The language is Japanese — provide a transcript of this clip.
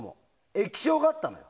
液晶があったのよ。